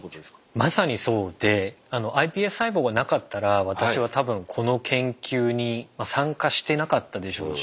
まさにそうでｉＰＳ細胞がなかったら私は多分この研究に参加してなかったでしょうし。